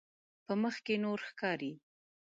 په مخ کې نور ښکاري.